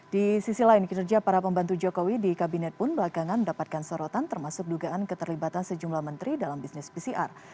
di sisi lain kinerja para pembantu jokowi di kabinet pun belakangan mendapatkan sorotan termasuk dugaan keterlibatan sejumlah menteri dalam bisnis pcr